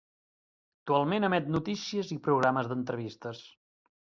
Actualment emet noticies i programes d'entrevistes.